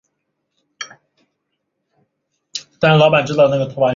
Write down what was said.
绝大多数教学楼都沿东第十三大道而建。